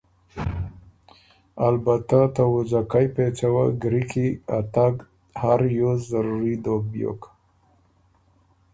البته ته وُځَکئ پېڅه وه ګری کی ا تګ هر ریوز ضروري دوک بیوک